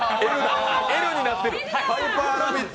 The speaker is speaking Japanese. Ｌになってる！